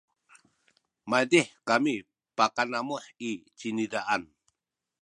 maydih kami pakanamuh i cinizaan